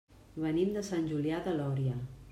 Venim de Sant Julià de Lòria.